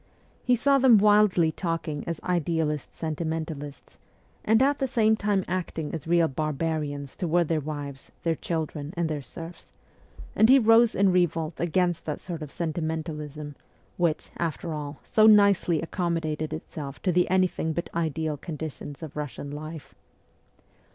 He saw them wildly talking as idealist sentimentalists, and at the same time acting as real barbarians toward their wives, their children, and their serfs ; and he rose in revolt against that sort of sentimentalism, which, after all, so nicely accommodated itself to the anything but ideal conditions of Russian life.